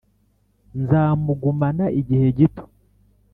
nzamugumana igihe gito